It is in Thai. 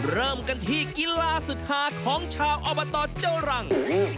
เริ่มกันที่กีฬาสุดหาของชาวอบตเจ้ารัง